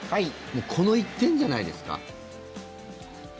この１点じゃないですか。